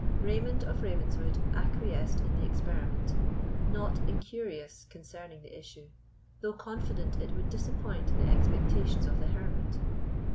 Raymond of Ravenswood acquiesced in the experiment, not incurious concerning the issue, though confident it would disappoint the expectations of the hermit.